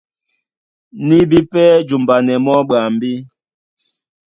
Ní bí pɛ́ jumbanɛ mɔ́ ɓwambí.